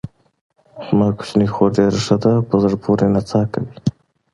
زما کوچنۍ خور ډېره ښه او په زړه پورې نڅا کوي.